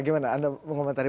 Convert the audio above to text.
gimana anda mengomentari